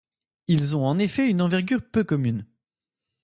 Ils ont en effet une envergure peu commune.